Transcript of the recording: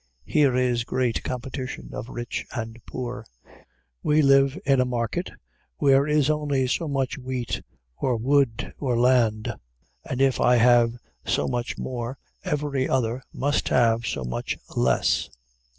Here is great competition of rich and poor. We live in a market, where is only so much wheat, or wool, or land; and if I have so much more, every other must have so much less.